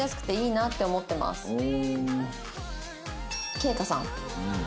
圭叶さん。